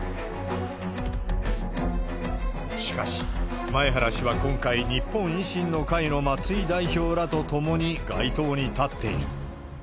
しかし、前原氏は今回、日本維新の会の松井代表らと共に街頭に立っている。